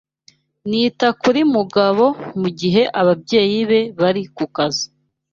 Nita kuri Mugabo mugihe ababyeyi be bari kukazi.